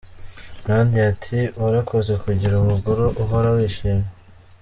Nadia ati ’Warakoze kungira umugore uhora wishimye.